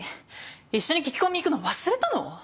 一緒に聞き込み行くの忘れたの？